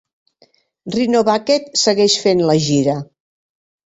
Rhino Bucket segueix fent la gira.